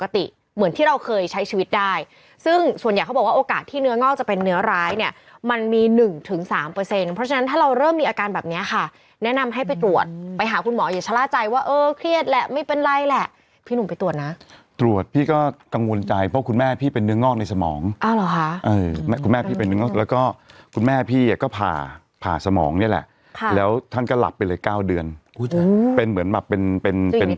ที่เราเคยใช้ชีวิตได้ซึ่งส่วนใหญ่เขาบอกว่าโอกาสที่เนื้อง่อกจะเป็นเนื้อร้ายเนี่ยมันมี๑๓เพราะฉะนั้นถ้าเริ่มมีอาการแบบนี้ค่ะแนะนำให้ไปตรวจไปหาคุณหมออย่าชะล่าใจว่าเออเครียดแหละไม่เป็นไรแหละพี่หนุ่มไปตรวจนะตรวจพี่ก็กังวลใจเพราะคุณแม่พี่เป็นเนื้อง่อกในสมองคุณแม่พี่เป็นเนื